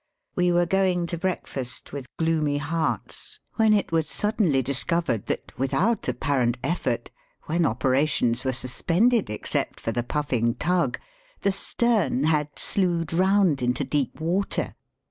We were going to breakfast with gloomy hearts when it was suddenly discovered that, without apparent effect, when operations were suspended except for the puffing tug, the stem had slewed round into deep water.